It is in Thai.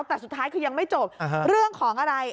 แต่สุดท้ายคือยังไม่จบเรื่องของอะไร